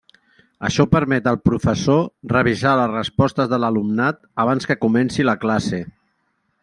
Això permet al professor revisar les respostes de l'alumnat abans que comenci la classe.